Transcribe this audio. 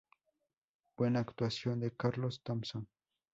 Buena actuación de Carlos Thompson".